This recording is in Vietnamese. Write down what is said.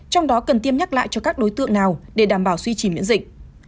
trong đó cần tiêm nhắc lại cho các đối tượng nào để đảm bảo suy trì miễn dịch